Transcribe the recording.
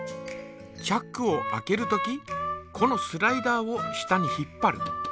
チャックを開けるときこのスライダーを下に引っぱる。